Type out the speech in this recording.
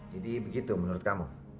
jadi begitu menurut kamu